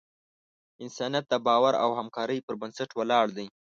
انسانیت د باور او همکارۍ پر بنسټ ولاړ دی.